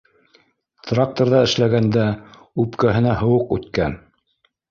Тракторҙа эшләгәндә үпкәһенә һыуыҡ үткән.